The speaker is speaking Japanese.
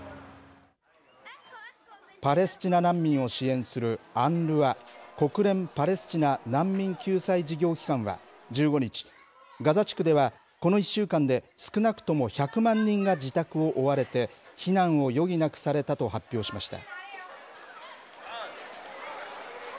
パレスチナ難民を支援するＵＮＲＷＡ・国連パレスチナ難民救済事業機関は１５日、ガザ地区ではこの１週間で、少なくとも１００万人が自宅を追われて、避難を余儀なくされたと発表しました。